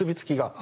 あ。